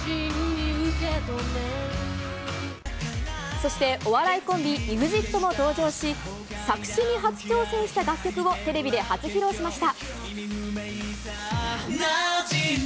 そして、お笑いコンビ、ＥＸＩＴも登場し、作詞に初挑戦した楽曲をテレビで初披露しました。